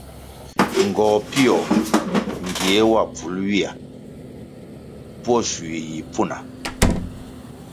Ngohpio ngie wa bvul ywia pwo shui yi pfuna.